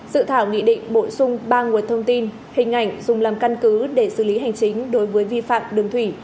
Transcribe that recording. dự thảo nghị định bổ sung ba nguồn thông tin hình ảnh dùng làm căn cứ để xử lý hành chính đối với vi phạm đường thủy